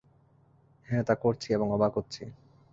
হ্যাঁ তা করছি এবং অবাক হচ্ছি।